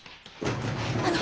あの！